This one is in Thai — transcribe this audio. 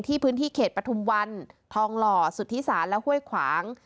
พื้นที่เขตปฐุมวันทองหล่อสุธิศาลและห้วยขวาง